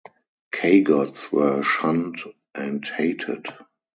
Cagots were shunned and hated.